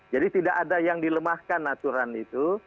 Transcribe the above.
tidak ada yang dilemahkan aturan itu